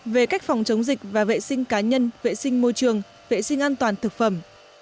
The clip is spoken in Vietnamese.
về cách phòng chống dịch và vệ sinh cá nhân vệ sinh môi trường vệ sinh an toàn thực phẩm